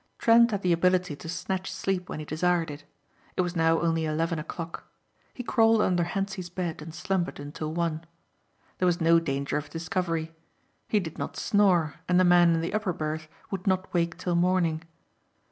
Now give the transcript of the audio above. Trent had the ability to snatch sleep when he desired it. It was now only eleven o'clock. He crawled under Hentzi's bed and slumbered until one. There was no danger of discovery. He did not snore and the man in the upper berth would not wake till morning.